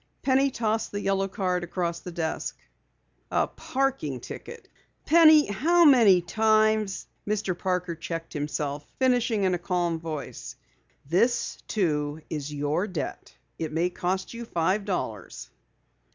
Penny tossed the yellow card across the desk. "A parking ticket! Penny, how many times " Mr. Parker checked himself, finishing in a calm voice: "This, too, is your debt. It may cost you five dollars."